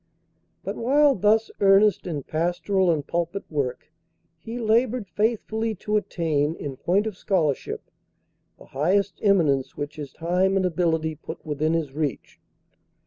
But while thus earnest in pastoral and pulpit work, he labored faithfully to attain, in point of scholarship, the highest eminence which his time and ability put within his reach.